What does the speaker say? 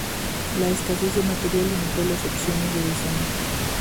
La escasez de material limitó las opciones de diseño.